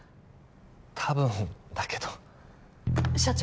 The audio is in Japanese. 多分だけど社長